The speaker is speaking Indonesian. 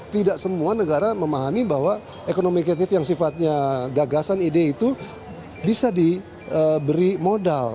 tidak semua negara memahami bahwa ekonomi kreatif yang sifatnya gagasan ide itu bisa diberi modal